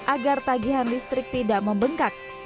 agar tagihan listrik tidak membengkak